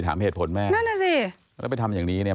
ถามเหตุผลแม่นั่นน่ะสิแล้วไปทำอย่างนี้เนี่ย